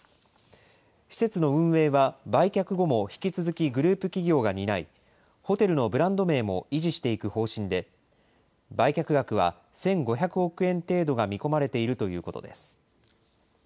施設の運営は売却後も引き続きグループ企業が担い、ホテルのブランド名も維持していく方針で、売却額は１５００億円程度が見込まれているということです。